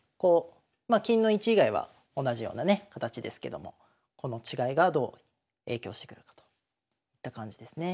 まあ金の位置以外は同じようなね形ですけどもこの違いがどう影響してくるのかといった感じですね。